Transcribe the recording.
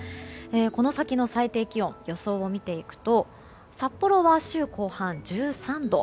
この先の最低気温予想を見ていくと札幌は週後半、１３度。